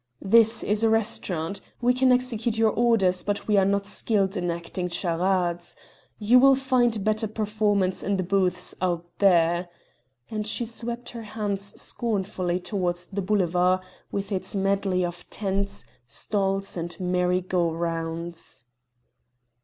"This is a restaurant. We can execute your orders, but we are not skilled in acting charades. You will find better performers in the booths out there"; and she swept her hands scornfully towards the boulevard, with its medley of tents, stalls, and merry go rounds.